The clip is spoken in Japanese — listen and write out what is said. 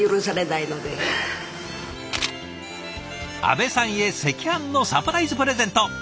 阿部さんへ赤飯のサプライズプレゼント。